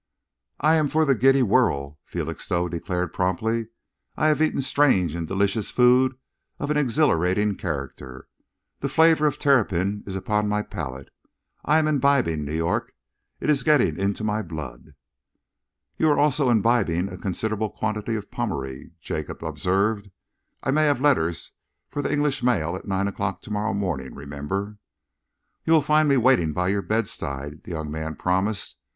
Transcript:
"I am for the giddy whirl," Felixstowe declared promptly. "I have eaten strange and delicious food of an exhilarating character. The flavour of terrapin is upon my palate. I am imbibing New York. It is getting into my blood." "You are also imbibing a considerable quantity of Pommery," Jacob observed. "I may have letters for the English mail at nine o'clock to morrow morning, remember." "You will find me waiting by your bedside," the young man promised.